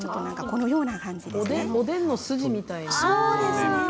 おでんの筋みたいな感じね。